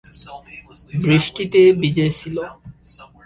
বৃষ্টিতে ভিজেছিলো?